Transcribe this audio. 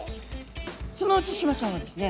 そのうちシマちゃんはですね